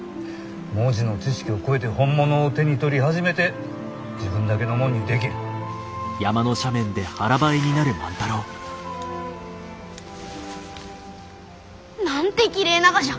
文字の知識を超えて本物を手に取り初めて自分だけのもんにできる。なんてきれいながじゃ！